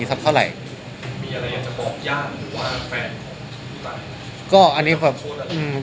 มีอะไรอยากจะบอกย่างหรือว่าแฟนของคุณไป